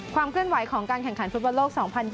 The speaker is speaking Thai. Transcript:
ความเคลื่อนไหวของการแข่งขันฟุตบอลโลก๒๐๒๐